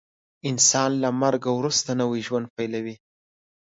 انسان له مرګ وروسته نوی ژوند پیلوي